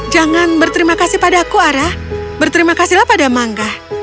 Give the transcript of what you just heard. jangan berterima kasih padaku ara berterima kasihlah pada mangga